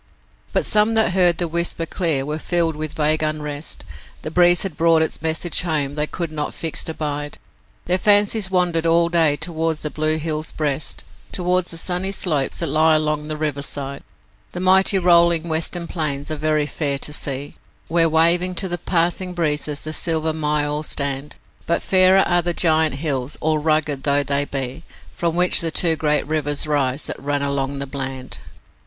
But some that heard the whisper clear were filled with vague unrest; The breeze had brought its message home, they could not fixed abide; Their fancies wandered all the day towards the blue hills' breast, Towards the sunny slopes that lie along the riverside, The mighty rolling western plains are very fair to see, Where waving to the passing breeze the silver myalls stand, But fairer are the giant hills, all rugged though they be, From which the two great rivers rise that run along the Bland.